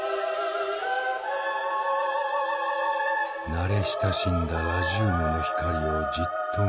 慣れ親しんだラジウムの光をじっと見つめ